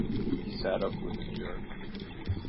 He sat up with a jerk.